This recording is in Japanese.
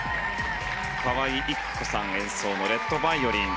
川井郁子さんの「レッドバイオリン」。